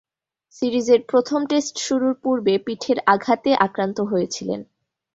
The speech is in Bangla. সিরিজের প্রথম টেস্ট শুরুর পূর্বে পিঠের আঘাতে আক্রান্ত হয়েছিলেন।